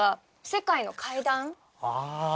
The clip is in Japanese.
「世界の階段」。